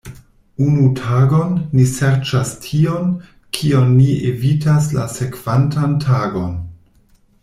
Unu tagon, ni serĉas tion, kion ni evitas la sekvantan tagon.